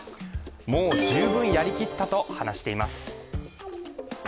もう十分やりきったと話しています。